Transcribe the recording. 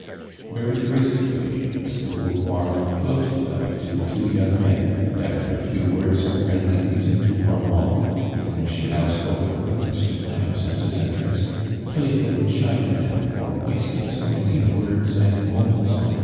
\'cry gracefully Miss do Bcnuvoir ttoatod lip to tlic two young moii, ami after a few ^vo^dH of friendly greeting to Arniand, witii whom ^llO now spoko for the first time since lii.s eiitraiic(s playfully chided thorn for \Vii, <ting «o many words and moments on oa.